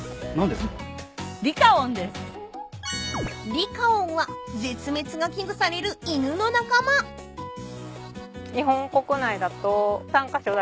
［リカオンは絶滅が危惧される犬の仲間］え？